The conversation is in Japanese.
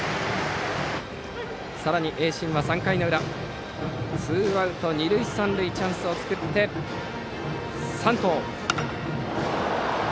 さらに盈進は３回の裏ツーアウト、二塁三塁チャンスを作って、山藤。